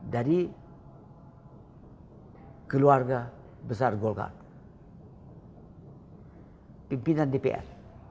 dari keluarga besar golkar pimpinan dpr